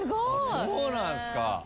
そうなんすか。